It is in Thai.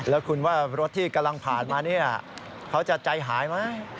แล้วคุณว่ารถที่กำลังผ่านมาเนี่ยเขาจะใจหายไหม